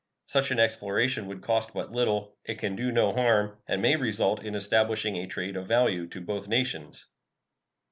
Such an exploration would cost but little; it can do no harm, and may result in establishing a trade of value to both nations.